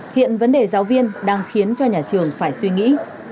hiện vấn đề giáo viên đang khiến cho nhà trường phải suy nghĩ